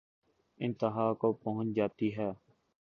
انتہا کو پہنچ جاتی ہے